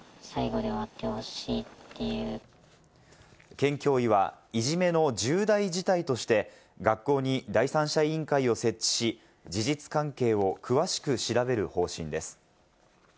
県教委は、いじめの重大事態として学校に第三者委員会を設置し、事実関係を詳しく調べる方針です。